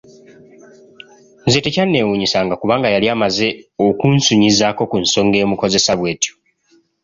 Nze tekyanneewuunyisanga kubanga yali amaze okunsunyizaako ku nsonga emukozesa bw'etyo.